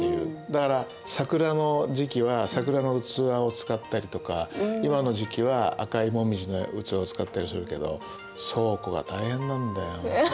だから桜の時期は桜の器を使ったりとか今の時期は赤いもみじの器を使ったりするけど倉庫が大変なんだよ。